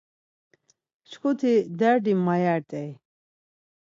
Şǩuti derdi mayert̆ey.